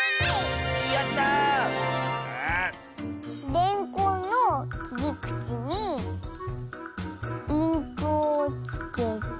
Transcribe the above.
レンコンのきりくちにインクをつけて。